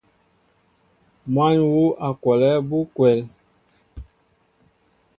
Măn yu a kolɛɛ abú kwɛl.